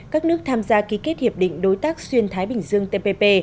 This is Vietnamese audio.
các nước tham gia ký kết hiệp định đối tác xuyên thái bình dương tpp